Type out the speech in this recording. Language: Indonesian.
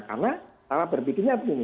karena salah berbikinnya begini